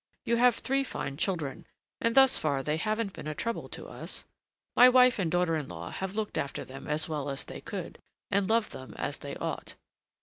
You have three fine children, and thus far they haven't been a trouble to us. My wife and daughter in law have looked after them as well as they could, and loved them as they ought.